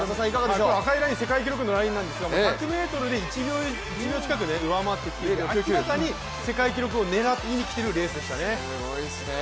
赤いライン、世界記録のラインなんですけれども１００ｍで１秒近く、上回っていて明らかに世界記録を狙いに来ているレースでしたね。